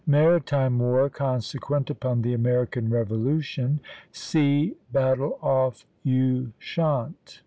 MARITIME WAR CONSEQUENT UPON THE AMERICAN REVOLUTION. SEA BATTLE OFF USHANT.